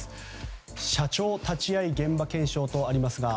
社長立ち会い現場検証とあります。